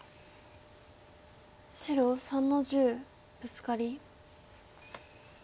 白３の十ブツカリ。